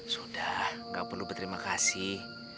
sudah gak perlu berterima kasih